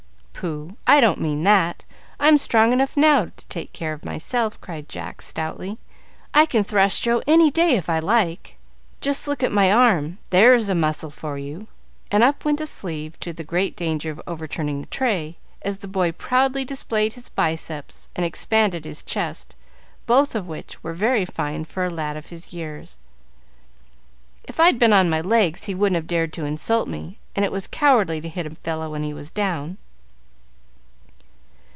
"Pooh! I don't mean that; I'm strong enough now to take care of myself," cried Jack, stoutly. "I can thrash Joe any day, if I like. Just look at my arm; there's muscle for you!" and up went a sleeve, to the great danger of overturning the tray, as the boy proudly displayed his biceps and expanded his chest, both of which were very fine for a lad of his years. "If I'd been on my legs, he wouldn't have dared to insult me, and it was cowardly to hit a fellow when he was down."